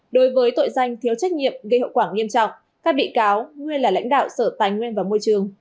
đối với tội danh thiếu trách nhiệm gây hậu quả nghiêm trọng các bị cáo nguyên là lãnh đạo sở tài nguyên và môi trường